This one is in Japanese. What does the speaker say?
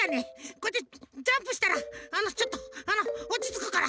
こうやってジャンプしたらあのちょっとおちつくから。